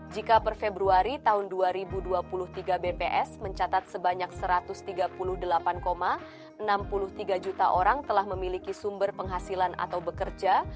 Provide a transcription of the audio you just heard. jika per februari tahun dua ribu dua puluh tiga bps mencatat sebanyak satu ratus tiga puluh delapan enam puluh tiga juta orang telah memiliki sumber penghasilan atau bekerja